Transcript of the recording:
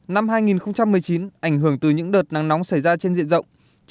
năm hai nghìn một mươi chín ảnh hưởng từ những đợt nắng nóng xảy ra trên diện rộng